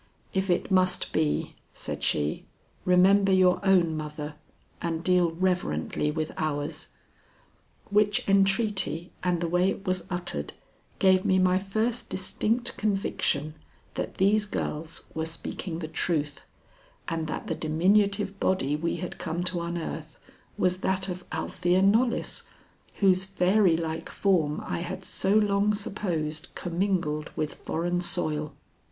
"If it must be," said she, "remember your own mother and deal reverently with ours." Which entreaty and the way it was uttered, gave me my first distinct conviction that these girls were speaking the truth, and that the diminutive body we had come to unearth was that of Althea Knollys, whose fairy like form I had so long supposed commingled with foreign soil.